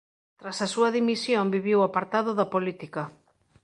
Tras a súa dimisión viviu apartado da política.